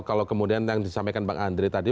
kalau kemudian yang disampaikan bang andre tadi